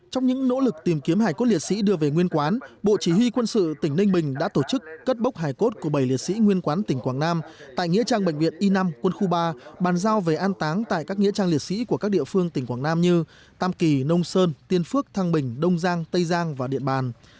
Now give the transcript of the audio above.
trong những nỗ lực tìm kiếm hải cốt liệt sĩ đưa về nguyên quán bộ chỉ huy quân sự tỉnh ninh bình đã tổ chức cất bốc hải cốt của bảy liệt sĩ nguyên quán tỉnh quảng nam tại nghĩa trang bệnh viện i năm quân khu ba bàn giao về an táng tại các nghĩa trang liệt sĩ của các địa phương tỉnh quảng nam như tam kỳ nông sơn tiên phước thăng bình đông giang tây giang và điện bàn